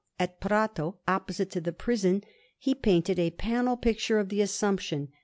At Prato, opposite to the prison, he painted a panel picture of the Assumption.